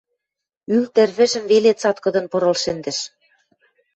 Ӱл тӹрвӹжӹм веле цаткыдын пырыл шӹндӹш.